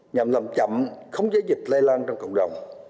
nhằm làm chậm khống giấy dịch lay lăng trong cộng đồng